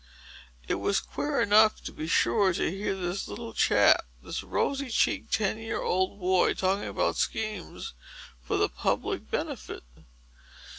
It was queer enough, to be sure, to hear this little chap—this rosy cheeked, ten year old boy—talking about schemes for the public benefit!